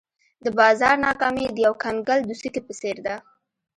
د بازار ناکامي د یو کنګل د څوکې په څېر ده.